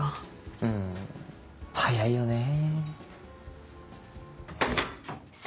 うん早いよねぇ。